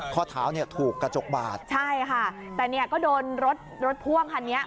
ข้อเท้าเนี่ยถูกกระจกบาดใช่ค่ะแต่เนี่ยก็โดนรถรถพ่วงคันนี้